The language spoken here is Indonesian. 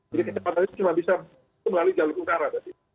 jadi kecepatannya cuma bisa melalui jalur negara